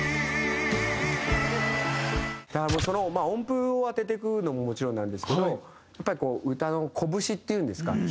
音符を当てていくのももちろんなんですけどやっぱりこう歌のこぶしっていうんですか？